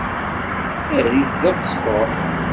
Err-it d abesṭuḥ.